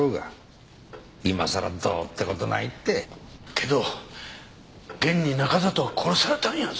けど現に中里は殺されたんやぞ。